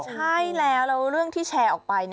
ใช่แล้วแล้วเรื่องที่แชร์ออกไป